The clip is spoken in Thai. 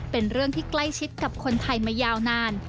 เป็นเรื่องที่ใกล้ชิดกับคนไทยมายาวนาน